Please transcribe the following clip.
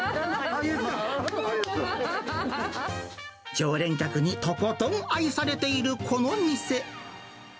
あっ、常連客にとことん愛されているこの店。